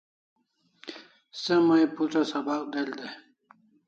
Se may putra sabak del day